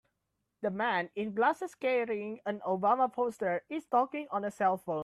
The man in glasses carrying an Obama poster is talking on a cellphone.